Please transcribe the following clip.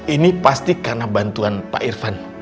ini pasti karena bantuan pak irfan